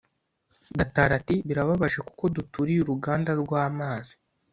Gatari ati Birababaje kuko duturiye uruganda rwamazi